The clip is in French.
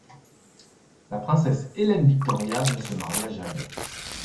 La princesse Hélène-Victoria ne se maria jamais.